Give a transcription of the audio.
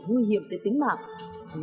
nguy hiểm tới tính mạng